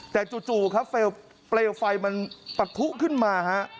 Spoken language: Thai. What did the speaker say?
แต่จู่ครับเปลี่ยนไฟมันประทุขึ้นมา